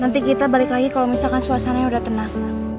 nanti kita balik lagi kalau misalkan suasananya udah tenang